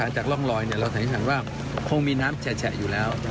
จากล่องลอยเนี้ยเราถนิษฐานว่าคงมีน้ำแช่แช่อยู่แล้ว